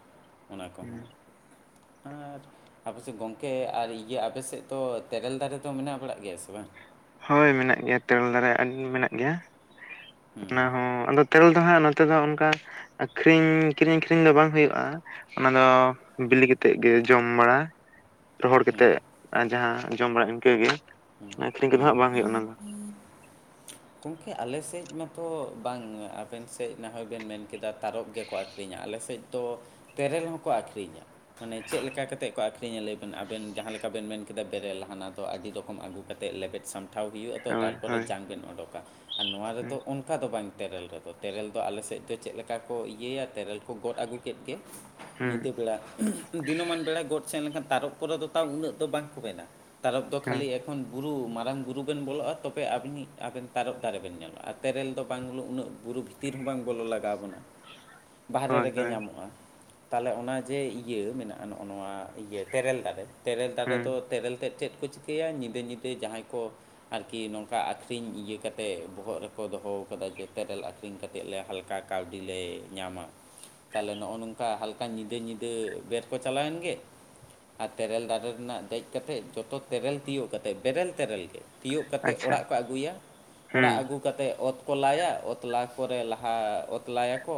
A: ᱚᱱᱟ
B: ᱦᱩᱸ
A: ᱠᱚᱦᱚᱸ ᱾ ᱟᱨ ᱟᱯᱮᱥᱮᱜ ᱜᱚᱝᱠᱮ ᱟᱨ ᱤᱭᱟᱹ ᱟᱯᱮ ᱥᱮᱫ ᱫᱚ ᱛᱮᱨᱮᱞ ᱫᱟᱨᱮ ᱫᱚ ᱢᱮᱱᱟᱜ ᱵᱟᱲᱟᱜ ᱜᱮᱭᱟ ᱥᱮ ᱵᱟᱝ?
B: ᱦᱳᱭ ᱢᱮᱱᱟᱜ ᱜᱮᱭᱟ ᱛᱮᱨᱮᱞ ᱫᱟᱨᱮ ᱟᱹᱰᱤ ᱢᱮᱱᱟᱜ ᱜᱮᱭᱟ
A: ᱦᱩᱸ
B: ᱚᱱᱟ ᱦᱚᱸ ᱟᱫᱚ, ᱛᱮᱨᱮᱞ ᱫᱚ ᱦᱟᱸᱜ ᱱᱚᱛᱮ ᱫᱚ ᱚᱱᱠᱟ ᱟᱹᱠᱷᱨᱤᱧ ᱠᱤᱨᱤᱧ ᱟᱹᱠᱷᱨᱤᱧ ᱫᱚ ᱵᱟᱝ ᱦᱩᱭᱩᱜᱼᱟ ᱾ ᱚᱱᱟ ᱫᱚ ᱵᱤᱞᱤ ᱠᱟᱛᱮᱫ ᱜᱮ ᱡᱚᱢ ᱵᱟᱲᱟ ᱾ ᱨᱚᱦᱚᱲ ᱠᱟᱛᱮᱫ ᱡᱟᱦᱟᱸ ᱡᱚᱢ ᱵᱟᱲᱟ ᱤᱱᱠᱟᱹᱜᱮ ᱟᱹᱠᱷᱨᱤᱧ ᱠᱚᱫᱚ ᱦᱟᱸᱜ
A: ᱦᱩᱸ
B: ᱵᱟᱝ ᱦᱩᱭᱩᱜᱼᱟ, ᱚᱱᱟ ᱫᱚ
A: ᱜᱚᱝᱠᱮ ᱟᱞᱮᱥᱮᱫ ᱢᱟᱛᱚ ᱵᱟᱝ ᱟᱵᱮᱱ ᱥᱮ ᱱᱟᱦᱚᱭ ᱵᱮᱱ ᱢᱮᱱ ᱠᱮᱫᱟ ᱛᱟᱨᱚᱯ ᱜᱮᱠᱚ ᱟᱹᱠᱷᱨᱤᱧᱟ ᱟᱞᱮᱥᱮᱫ ᱫᱚ ᱛᱮᱨᱮᱞ ᱦᱚᱸᱠᱚ ᱟᱹᱠᱷᱨᱤᱧᱟ ᱾ ᱢᱟᱱᱮ ᱪᱮᱫ ᱞᱮᱠᱟ ᱠᱟᱛᱮᱫ ᱠᱚ ᱟᱠᱷᱨᱤᱧᱟ ᱞᱟᱹᱭ ᱵᱮᱱ ᱟᱵᱮᱱ ᱡᱟᱦᱟᱸ ᱞᱮᱠᱟ ᱵᱮᱱ ᱢᱮᱱ ᱠᱮᱫᱟ ᱵᱮᱨᱮᱞ ᱦᱟᱱᱟ ᱫᱚ ᱛᱚ ᱟᱹᱰᱤ ᱨᱚᱠᱚᱢ ᱟᱹᱜᱩ ᱠᱟᱛᱮ ᱞᱮᱵᱮᱫ ᱥᱟᱢᱴᱷᱟᱣ ᱦᱩᱭᱩᱜᱼᱟ ᱛᱚ
B: ᱦᱳᱭ
A: ᱛᱟᱨᱯᱚᱨᱮ
B: ᱦᱳᱭ
A: ᱡᱟᱝ ᱵᱮᱱ ᱚᱰᱳᱠᱟ ᱟᱨ ᱱᱚᱣᱟ ᱨᱮᱫ
B: ᱦᱩᱸ
A: ᱚᱱ ᱚᱱᱠᱟ ᱫᱚ ᱵᱟᱝ ᱛᱮᱨᱮᱞ ᱨᱮᱫᱚ ᱛᱮᱨᱮᱞ ᱫᱚ ᱟᱞᱮᱥᱮᱫ ᱫᱚ ᱪᱮᱫ ᱞᱮᱠᱟ ᱠᱚ ᱤᱭᱟᱹᱭᱟ ᱛᱮᱨᱮᱞ ᱠᱚ ᱜᱚᱫ ᱟᱹᱜᱩ ᱠᱮᱫ ᱜᱮ,
B: ᱦᱩᱸ
A: ᱧᱤᱫᱟᱹ ᱵᱮᱲᱟ ᱫᱤᱱᱟᱹᱢᱟᱱ ᱵᱮᱲᱟ ᱜᱚᱫ ᱥᱮᱱ ᱞᱮᱱᱠᱷᱟᱱ ᱛᱟᱨᱚᱯ ᱠᱚᱨᱮ ᱫᱚ ᱛᱟᱣ ᱩᱱᱟᱹᱜ ᱫᱚ ᱵᱟᱝᱠᱚ ᱢᱮᱱᱟ᱾ ᱛᱚᱨᱚᱯ ᱫᱚ
B: ᱦᱩᱸ
A: ᱠᱷᱟᱹᱞᱤ ᱮᱠᱷᱚᱱ ᱵᱩᱨᱩ ᱢᱟᱨᱟᱝ ᱵᱩᱨᱩ ᱵᱮᱱ ᱵᱚᱞᱚᱜᱼᱟ ᱛᱚᱵᱮ ᱟᱵᱤᱱᱤ ᱟᱵᱮᱱ ᱛᱟᱨᱚᱵ ᱫᱟᱨᱮᱵᱮᱱ ᱧᱟᱢᱟ ᱟᱨ ᱛᱮᱨᱮᱞ ᱫᱚ ᱵᱟᱝ, ᱩᱱᱟᱹᱜ ᱵᱩᱨᱩ ᱵᱷᱤᱛᱤᱨ ᱦᱚᱸ ᱵᱟᱝ ᱵᱚᱞᱚ ᱞᱟᱜᱟᱣ ᱵᱚᱱᱟ᱾ ᱵᱟᱦᱟᱨᱮ
B: ᱦᱳᱭ
A: ᱨᱮᱜᱮ
B: ᱦᱳᱭ
A: ᱧᱟᱢᱚᱜᱼᱟ ᱛᱟᱦᱚᱞᱮ ᱚᱱᱟ ᱡᱮ ᱤᱭᱟᱹ ᱢᱮᱱᱟᱜᱼᱟ ᱱᱚᱜᱼᱚ ᱱᱚᱣᱟ ᱤᱭᱟᱹ ᱛᱮᱨᱮᱞ ᱫᱟᱨᱮ ᱛᱮᱨᱮᱞ ᱫᱟᱨᱮ
B: ᱦᱩᱸ
A: ᱫᱚ ᱛᱮᱨᱮᱞ ᱛᱮᱫ ᱪᱮᱫ ᱠᱚ ᱪᱤᱠᱟᱹ? ᱤᱭᱟᱹᱭᱟ ᱧᱤᱫᱟᱹ ᱧᱤᱫᱟᱹ ᱡᱟᱦᱟᱸᱭ ᱠᱚ ᱟᱨᱠᱤ ᱱᱚᱝᱠᱟ ᱟᱠᱷᱨᱤᱧ ᱤᱭᱟᱹ ᱠᱟᱛᱮ ᱵᱚᱦᱚᱜ ᱨᱮᱠᱚ ᱫᱚᱦᱚ ᱠᱟᱫᱟ, ᱡᱮ ᱛᱮᱨᱮᱞ ᱟᱠᱷᱨᱤᱧ ᱠᱟᱛᱮᱫ ᱞᱮ ᱦᱟᱞᱠᱟ ᱠᱟᱹᱣᱰᱤ ᱞᱮ ᱧᱟᱢᱟ᱾ ᱛᱟᱦᱟᱞᱮ ᱱᱚᱜᱼᱚ ᱱᱚᱝᱠᱟ ᱦᱟᱞᱠᱟ ᱧᱤᱫᱟᱹ ᱧᱤᱫᱟᱹ ᱵᱮᱨ ᱠᱚ ᱪᱟᱞᱟᱣᱮᱱ ᱜᱮ᱾ ᱟᱨ ᱛᱮᱨᱮᱞ ᱫᱟᱨᱮ ᱨᱮᱱᱟᱜ ᱫᱮᱡ ᱠᱟᱛᱮᱜ ᱡᱚᱛᱚ ᱛᱮᱨᱮᱞ ᱛᱤᱭᱳᱜ ᱠᱟᱛᱮᱜ, ᱵᱮᱨᱮᱞ ᱛᱮᱨᱮᱞ ᱜᱮ ᱛᱤᱭᱳᱜ ᱠᱟᱛᱮᱫ
B: ᱟᱪᱪᱷᱟ
A: ᱚᱲᱟᱜ ᱠᱚ ᱟᱹᱜᱩᱭᱟ᱾ ᱚᱲᱟᱜ
B: ᱦᱩᱸ
A: ᱟᱹᱜᱩ ᱠᱟᱛᱮᱫ ᱚᱛ ᱠᱚ ᱞᱟᱭᱟ ᱚᱛ ᱞᱟ ᱯᱚᱨᱮ ᱞᱟᱦᱟ ᱚᱛ ᱞᱟᱭᱟᱠᱚ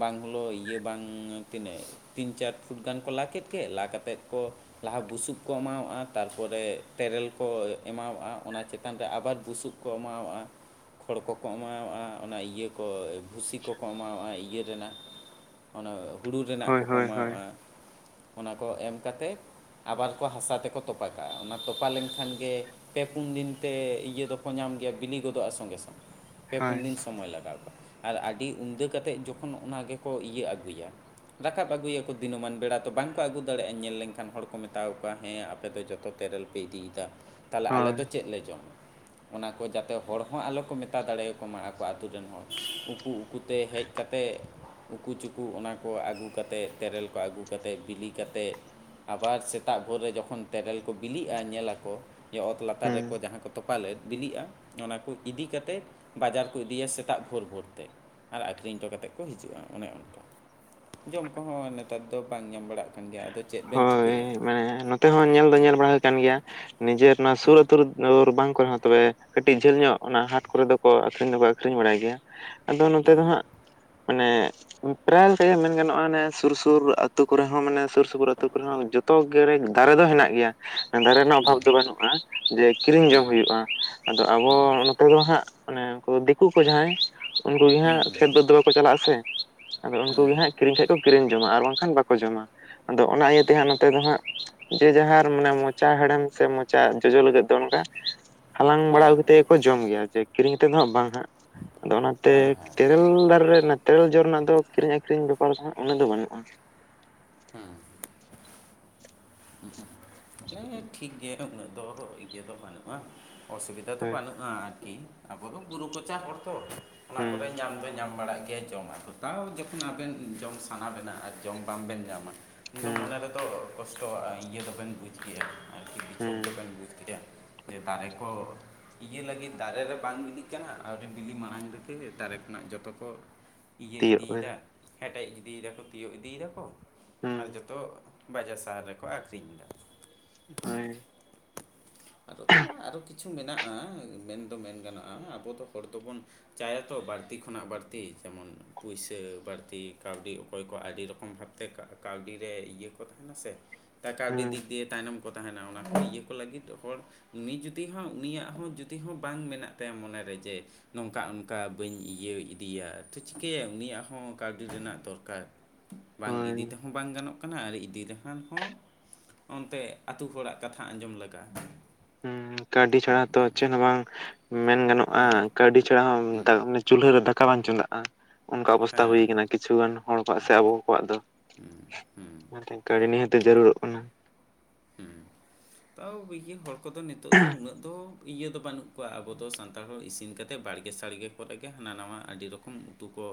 A: ᱵᱟᱝ ᱦᱤᱞᱳᱜ ᱤᱭᱟᱹ ᱵᱟᱝ ᱛᱤᱱᱟᱹᱜ ᱛᱤᱱ ᱪᱟᱨ ᱯᱷᱩᱴ ᱜᱟᱱ ᱠᱚ ᱞᱟ ᱠᱮᱫ ᱜᱮ ᱞᱟ ᱠᱟᱛᱮᱫ ᱠᱚ ᱞᱟᱦᱟ ᱵᱩᱥᱩᱵ ᱠᱚ ᱮᱢᱟᱣᱟᱜᱼᱟ᱾ ᱛᱟᱨᱯᱚᱨᱮ ᱛᱮᱨᱮᱞ ᱠᱚ ᱮᱢᱟᱣᱟᱜᱼᱟ᱾ ᱚᱱᱟ ᱪᱮᱛᱟᱱ ᱨᱮ ᱟᱵᱟᱨ ᱵᱩᱥᱩᱵ᱾ ᱠᱚ ᱮᱢᱟᱣᱟᱜᱼᱟ᱾ ᱠᱷᱚᱲ ᱠᱚᱠᱚ ᱮᱢᱟᱣᱟᱜᱼᱟ, ᱚᱱᱟ ᱤᱭᱟᱹ ᱠᱚ ᱵᱷᱩᱥᱤ ᱠᱚᱠᱚ ᱮᱢᱟᱣᱟᱜᱼᱟ, ᱤᱭᱟᱹ ᱨᱮᱱᱟᱜ ᱚᱱᱟ ᱦᱩᱲᱩ ᱨᱮᱱᱟᱜ
B: ᱦᱳᱭ
A: ᱠᱚᱠᱚ
B: ᱦᱳᱭ ᱦᱳᱭ
A: ᱮᱢᱟᱣᱟᱜᱼᱟ ᱚᱱᱟ ᱠᱚ ᱮᱢ ᱠᱟᱛᱮ ᱟᱵᱟᱨ ᱠᱚ ᱦᱟᱥᱟ ᱛᱮᱠᱚ ᱛᱚᱯᱟ ᱠᱟᱜᱼᱟ᱾ ᱚᱱᱟ ᱛᱚᱯᱟ ᱞᱮᱱᱠᱷᱟᱱ ᱜᱮ ᱯᱮ ᱯᱩᱱ ᱫᱤᱱ ᱛᱮ ᱤᱭᱟᱹ ᱫᱚᱠᱚ ᱧᱟᱢ ᱜᱮᱭᱟ ᱵᱤᱞᱤ ᱜᱚᱫᱚᱜᱼᱟ᱾ ᱥᱚᱸᱜᱮ ᱥᱚᱝᱜᱮ ᱯᱮ ᱯᱩᱱ
B: ᱦᱳᱭ
A: ᱫᱤᱱ ᱥᱚᱢᱚᱭ ᱞᱟᱜᱟᱣᱼᱟ, ᱟᱨ ᱟᱹᱰᱤ ᱩᱫᱟᱹ ᱠᱟᱛᱮᱫ ᱡᱚᱠᱷᱚᱱ ᱚᱱᱟ ᱜᱮᱠᱚ ᱤᱭᱟᱹ ᱟᱹᱜᱩᱭᱟ ᱨᱟᱠᱟᱵ ᱟᱹᱜᱩᱭᱟᱠᱚ ᱫᱤᱱᱟᱹᱢᱟᱱ ᱵᱮᱲᱟ ᱛᱚ ᱵᱟᱝᱠᱚ ᱟᱹᱜᱩ ᱫᱟᱲᱮᱭᱟᱜᱼᱟ᱾ ᱧᱮᱞ ᱞᱮᱱᱠᱷᱟᱱ ᱦᱚᱲ ᱠᱚ ᱢᱮᱛᱟᱣᱟ ᱠᱚᱣᱟ ᱦᱮᱸ ᱟᱯᱮ ᱫᱚ ᱡᱚᱛᱚ ᱛᱮᱨᱮᱞ ᱠᱚ ᱯᱮ ᱤᱫᱤᱭᱮᱫᱟ ᱛᱟᱞᱮ ᱟᱞᱮ
B: ᱦᱳᱭ
A: ᱫᱚ ᱪᱮᱫ ᱞᱮ ᱡᱚᱢᱟ ᱚᱱᱟ ᱠᱚ ᱡᱟᱛᱮ ᱦᱚᱲ ᱦᱚᱸ ᱟᱞᱚ ᱠᱚ ᱢᱮᱛᱟ ᱫᱟᱲᱮᱭᱟᱠᱚ ᱢᱟ, ᱟᱠᱚ ᱟᱛᱳ ᱨᱮᱱ ᱦᱚᱲ ᱩᱠᱩ ᱩᱠᱩᱛᱮ ᱦᱮᱡᱽ ᱠᱟᱛᱮᱫ ᱩᱠᱩ ᱪᱩᱠᱩ ᱚᱱᱟ ᱠᱚ ᱟᱹᱜᱩ ᱠᱟᱛᱮᱫ ᱛᱮᱨᱮᱞ ᱠᱚ ᱟᱹᱜᱩ ᱠᱟᱛᱮᱫ ᱵᱤᱞᱤ ᱠᱟᱛᱮᱫ ᱟᱵᱟᱨ ᱥᱮᱛᱟᱜ ᱵᱷᱳᱨ ᱨᱮ ᱡᱚᱠᱷᱚᱱ ᱛᱮᱨᱮᱞ ᱠᱚ ᱵᱤᱞᱤᱜᱼᱟ, ᱧᱮᱞᱟᱠᱚ ᱚᱛ ᱞᱟᱛᱟᱨ
B: ᱦᱩᱸ
A: ᱨᱮᱠᱚ ᱡᱟᱦᱟᱸ ᱠᱚ ᱛᱚᱯᱟ ᱞᱮᱫ ᱵᱤᱞᱤᱜᱼᱟ ᱾ ᱚᱱᱟ ᱠᱚ ᱤᱫᱤ ᱠᱟᱛᱮᱫ ᱵᱟᱡᱟᱨ ᱠᱚ ᱤᱫᱤᱭᱟ ᱥᱮᱛᱟᱜ ᱵᱷᱳᱨ ᱵᱷᱳᱨ ᱛᱮ᱾ ᱟᱨ ᱟᱠᱷᱨᱤᱧ ᱦᱚᱴᱚ ᱠᱟᱛᱮᱫ ᱠᱚ ᱦᱤᱡᱩᱜᱼᱟ᱾ ᱚᱱᱮ ᱚᱱᱠᱟ ᱡᱚᱢ ᱠᱚᱦᱚᱸ ᱱᱮᱛᱟᱨ ᱫᱚ ᱵᱟᱝ ᱧᱟᱢ ᱵᱟᱲᱟᱜ ᱠᱟᱱᱟ ᱾ ᱠᱟᱱ ᱜᱮᱭᱟ ᱟᱫᱚ ᱪᱮᱫ ᱵᱮᱱ
B: ᱦᱳᱭ
A: ᱪᱤᱠᱟᱹᱭᱟ ᱾
B: ᱢᱟᱱᱮ ᱱᱚᱛᱮ ᱦᱚᱸ ᱧᱮᱞ ᱫᱚ ᱧᱮᱞ ᱵᱟᱲᱟ ᱟᱠᱟᱱ ᱜᱮᱭᱟ, ᱱᱤᱡᱮᱨ ᱱᱚᱣᱟ ᱥᱩᱨ ᱟᱛᱳ ᱫᱩᱣᱟᱹᱨ, ᱵᱟᱝ ᱠᱚᱨᱮ ᱦᱚᱸ ᱛᱚᱵᱮ ᱠᱟᱹᱴᱤᱡ ᱡᱷᱟᱹᱞ ᱧᱚᱜ ᱚᱱᱟ ᱦᱟᱴ ᱠᱚᱨᱮ ᱫᱚ ᱟᱠᱷᱨᱤᱧ ᱫᱚᱠᱚ ᱟᱠᱷᱨᱤᱧ ᱵᱟᱲᱟᱭ ᱜᱮᱭᱟ, ᱟᱫᱚ ᱱᱚᱛᱮ ᱫᱚ ᱦᱟᱸᱜ ᱢᱟᱱᱮ ᱯᱨᱟᱭ ᱛᱮᱜᱮ ᱢᱮᱱ ᱜᱟᱱᱚᱜᱼᱟ, ᱮ ᱥᱩᱨ ᱥᱩᱨ ᱟᱹᱛᱩ ᱠᱚᱨᱮ ᱦᱚᱸ ᱢᱟᱱᱮ ᱥᱩᱨ ᱥᱩᱯᱩᱨ ᱟᱹᱛᱳ ᱠᱚᱨᱮ ᱦᱚᱸ ᱡᱚᱛᱚ ᱜᱮ ᱫᱟᱨᱮ ᱫᱚ ᱦᱮᱱᱟᱜ ᱜᱮᱭᱟ ᱾ ᱫᱟᱨᱮ ᱨᱮᱱᱟᱜ ᱚᱵᱷᱟᱵᱽ ᱫᱚ ᱵᱟᱹᱱᱩᱜᱼᱟ ᱡᱮ ᱠᱤᱨᱤᱧ ᱡᱚᱝ ᱦᱩᱭᱩᱜᱼᱟ ᱾ ᱟᱫᱚ ᱟᱵᱚ ᱱᱚᱛᱮ ᱫᱚ ᱦᱟᱸᱜ ᱟᱱᱮ ᱩᱱᱠᱩ ᱫᱤᱠᱩ ᱠᱚ ᱡᱟᱦᱟᱸᱭ, ᱩᱱᱠᱩ ᱜᱮ ᱦᱟᱸᱜ
A: ᱦᱮᱸ
B: ᱠᱷᱮᱛ ᱵᱟᱹᱫᱽ ᱫᱚ ᱵᱟᱠᱚ ᱪᱟᱞᱟᱜᱼᱟ, ᱥᱮ ᱟᱫᱚ ᱩᱱᱠᱩ ᱜᱮ ᱦᱟᱸᱜ ᱠᱤᱨᱤᱧ ᱠᱷᱟᱡ ᱠᱚ ᱠᱤᱨᱤᱧ ᱡᱚᱢᱟ᱾ ᱟᱨ ᱵᱟᱝᱠᱷᱟᱱ ᱵᱟᱠᱚ ᱡᱚᱢᱟ, ᱟᱫᱚ ᱚᱱᱟ ᱤᱭᱟᱹᱛᱮ ᱦᱟᱸᱜ ᱱᱚᱛᱮ ᱫᱚ ᱦᱟᱸᱜ ᱡᱮ ᱡᱟᱦᱟᱸᱟᱨ ᱢᱟᱱᱮ ᱢᱚᱪᱟ ᱦᱮᱬᱮᱢ ᱥᱮ ᱢᱚᱪᱟ ᱡᱚᱡᱚ ᱞᱟᱹᱜᱤᱫ ᱫᱚ ᱚᱱᱠᱟ ᱦᱟᱞᱟᱝ ᱵᱟᱲᱟ
A: ᱦᱮᱸ
B: ᱠᱟᱛᱮᱫ ᱜᱮᱠᱚ ᱡᱚᱢ ᱜᱮᱭᱟ᱾ ᱡᱮ ᱠᱤᱨᱤᱧ ᱠᱟᱛᱮ ᱫᱚ ᱦᱟᱸᱜ ᱵᱟᱝ ᱦᱟᱸᱜ ᱟᱫᱚ ᱚᱱᱟᱛᱮ
A: ᱦᱮᱸ ᱦᱮᱸ
B: ᱛᱮᱨᱮᱞ ᱫᱟᱨᱮ ᱨᱮ ᱛᱮᱨᱮᱞ ᱡᱚ ᱨᱮᱱᱟᱜ ᱫᱚ ᱠᱤᱨᱤᱧ ᱟᱹᱷᱨᱤᱧ ᱵᱮᱯᱟᱨ ᱫᱚ ᱦᱟᱸᱜ ᱩᱱᱟᱹᱜ ᱫᱚ ᱵᱟᱹᱱᱩᱜᱼᱟ ᱾
A: ᱦᱮᱸᱻ᱾ ᱦᱮᱸ ᱴᱷᱤᱠ ᱜᱮᱭᱟ ᱩᱱᱟᱹᱜ ᱫᱚ ᱤᱭᱟᱹ ᱫᱚ ᱵᱟᱹᱱᱩᱜᱼᱟ᱾ ᱚᱥᱩᱵᱤᱫᱟ ᱫᱚ
B: ᱦᱳᱭ
A: ᱵᱟᱱᱩᱜ ᱦᱮᱸ ᱟᱨᱠᱤ ᱟᱵᱚ ᱫᱚ ᱵᱩᱨᱩ ᱠᱚᱪᱟ ᱦᱚᱲ ᱛᱚ, ᱚᱱᱟ
B: ᱦᱩᱸ
A: ᱠᱚᱨᱮ ᱧᱟᱢ ᱫᱚ ᱧᱟᱢ ᱵᱟᱲᱟᱜ ᱜᱮᱭᱟ ᱡᱚᱢᱟᱜ ᱠᱚᱫᱚ᱾ ᱛᱟᱣ ᱡᱚᱠᱷᱚᱱ ᱟᱵᱮᱱ ᱡᱚᱢ ᱥᱟᱱᱟ ᱵᱮᱱᱟ, ᱟᱨ ᱡᱚᱢ ᱵᱟᱝ ᱵᱮᱱ ᱧᱟᱢᱟ ᱩᱱᱫᱚ
B: ᱦᱩᱸ
A: ᱢᱚᱱᱮ ᱨᱮ ᱫᱚ ᱠᱚᱥᱴᱚᱼᱟ ᱟᱨ ᱤᱭᱟᱹ ᱫᱚᱵᱮᱱ ᱵᱩᱡᱽ ᱜᱮᱭᱟ ᱟᱨᱠᱤ, ᱵᱤᱪᱷᱳᱠ
B: ᱦᱩᱸ
A: ᱫᱚᱵᱮᱱ ᱵᱩᱡᱽ ᱜᱮᱭᱟ᱾ ᱦᱮ ᱫᱟᱨᱮ ᱠᱚ ᱤᱭᱟᱹ ᱞᱟᱹᱜᱤᱫ ᱫᱟᱨᱮ ᱨᱮ ᱵᱟᱝ ᱵᱤᱞᱤᱜ ᱠᱟᱱᱟ᱾ ᱟᱹᱣᱨᱤ ᱵᱤᱞᱤ ᱢᱟᱲᱟᱝ ᱨᱮᱜᱮ ᱫᱟᱨᱮ ᱠᱷᱚᱱᱟᱜ ᱡᱚᱛᱚ ᱠᱚ ᱤᱭᱟᱹ
B: ᱛᱤᱭᱳᱜ
A: ᱤᱫᱤᱭᱫᱟ,
B: ᱠᱮᱫᱟ
A: ᱦᱮᱴᱮᱡ ᱤᱫᱤᱭ ᱫᱟᱠᱚ, ᱛᱤᱭᱟᱹᱜ ᱤᱫᱤᱭ ᱫᱟᱠᱚ,
B: ᱦᱩᱸ
A: ᱟᱨ ᱡᱚᱛᱚ ᱵᱟᱡᱟᱨ ᱥᱟᱦᱟᱨ ᱨᱮᱠᱚ ᱟᱠᱷᱨᱤᱧ ᱫᱟ᱾
B: ᱦᱳᱭᱻᱻ
A: ᱟᱫᱚ ᱛᱚ ᱟᱨᱚ ᱠᱤᱪᱷᱩ ᱢᱮᱱᱟᱜᱼᱟ, ᱢᱮᱱᱫᱚ ᱢᱮᱱ ᱜᱟᱱᱚᱜᱼᱟ ᱟᱵᱚ ᱫᱚ ᱦᱚᱲ ᱫᱚᱵᱚᱱ ᱪᱟᱭᱟᱛᱚ ᱵᱟᱹᱲᱛᱤ ᱠᱷᱚᱱᱟᱜ ᱵᱟᱹᱲᱛᱤ ᱡᱮᱢᱚᱱ ᱯᱩᱭᱥᱟᱹ ᱵᱟᱹᱲᱛᱤ ᱠᱟᱹᱣᱰᱤ ᱚᱠᱚᱭ ᱠᱚ ᱟᱹᱰᱤ ᱨᱚᱠᱚᱢ ᱵᱷᱟᱵᱛᱮ ᱠᱟᱹᱣᱰ ᱨᱮ ᱤᱭᱟᱹ ᱠᱚ ᱛᱟᱦᱮᱱᱟ ᱥᱮ ᱛᱟ ᱠᱟᱹᱣᱰᱤ
B: ᱦᱩᱸ
A: ᱫᱤᱠ ᱫᱤᱭᱮ ᱛᱟᱭᱱᱚᱢ ᱠᱚ ᱛᱟᱦᱮᱸᱱᱟ ᱚᱱᱟ ᱠᱚ ᱤᱭᱟᱹ ᱠᱚ ᱞᱟᱹᱜᱤᱫ ᱫᱚ, ᱦᱚᱲ ᱩᱱᱤ ᱡᱩᱫᱤ ᱦᱚᱸ ᱩᱱᱤᱭᱟᱜ ᱦᱚᱸ ᱡᱩᱫᱤ ᱦᱚᱸ ᱵᱟᱝ ᱢᱮᱱᱟᱜ ᱛᱟᱭᱟ ᱢᱚᱱᱮᱨᱮ ᱡᱮ ᱱᱚᱝᱠᱟ ᱚᱱᱠᱟ ᱵᱟᱹᱧ ᱤᱭᱟᱹ ᱤᱫᱤᱭᱟ ᱛᱚ ᱪᱤᱠᱟᱹᱭᱟ ᱩᱱᱤᱭᱟᱜ ᱦᱚᱸ ᱠᱟᱹᱣᱰᱤ ᱨᱮᱱᱟᱜ ᱫᱚᱨᱠᱟᱨ᱾ ᱵᱟᱝ
B: ᱦᱳᱭ
A: ᱤᱫᱤ ᱛᱮᱦᱚᱸ ᱵᱟᱝ ᱜᱟᱱᱚᱜ ᱠᱟᱱᱟ ᱟᱨ ᱤᱫᱤ ᱨᱮᱠᱷᱟᱱ ᱦᱚᱸ ᱚᱱᱛᱮ ᱟᱛᱩ ᱦᱚᱲᱟᱜ ᱠᱟᱛᱷᱟ ᱟᱸᱡᱚᱢ ᱞᱟᱜᱟᱜᱼᱟ ᱾
B: ᱦᱚᱸ ᱠᱟᱣᱹᱰᱤ ᱪᱷᱟᱲᱟ ᱛᱚ ᱪᱮᱫ ᱦᱚᱸ ᱵᱟᱝ ᱢᱮᱱ ᱜᱟᱱᱚᱜᱼᱟ
A: ᱦᱩᱸ
B: ᱠᱟᱹᱣᱰᱤ ᱪᱷᱟᱲᱟ
A: ᱦᱩᱸ
B: ᱢᱮᱛᱟ ᱚᱸ ᱪᱩᱞᱦᱟᱹ ᱨᱮ ᱫᱟᱠᱟ ᱵᱟᱝ ᱪᱚᱸᱫᱟᱜᱼᱟ ᱚᱱᱠᱟ ᱚᱵᱚᱥᱛᱟ ᱦᱩᱭ
A: ᱦᱮᱸ
B: ᱟᱠᱟᱱᱟ ᱠᱤᱪᱷᱩ ᱜᱟᱱ ᱦᱚᱲ ᱠᱚᱣᱟᱜ ᱥᱮ ᱟᱵᱚ ᱠᱚᱣᱟᱜ ᱫᱚ᱾
A: ᱦᱩᱸ ᱦᱩᱸ
B: ᱚᱱᱟᱛᱮ ᱠᱟᱣᱰᱤ ᱱᱤᱦᱟᱹᱛ ᱡᱟᱹᱨᱩᱲᱚᱜ ᱠᱟᱱᱟ ᱾
A: ᱦᱚᱸ ᱛᱟᱣ ᱵᱤᱜᱟᱱ ᱦᱚᱲ ᱠᱚᱫᱚ ᱱᱤᱛᱚᱜ ᱫᱚ ᱩᱱᱟᱹᱜ ᱫᱚ ᱤᱭᱟᱹ ᱫᱚ ᱵᱟᱹᱱᱩᱜ ᱠᱚᱣᱟ ᱟᱵᱚ ᱫᱚ ᱥᱟᱱᱛᱟᱲ ᱦᱚᱲ ᱤᱥᱤᱱ ᱠᱟᱛᱮᱫ ᱵᱟᱲᱜᱮ ᱥᱟᱲᱜᱮ ᱠᱚᱨᱮ ᱜᱮ ᱦᱟᱱᱟ ᱱᱟᱣᱟ ᱟᱹᱰᱤ ᱨᱚᱠᱚᱢ ᱩᱛᱩ ᱠᱚ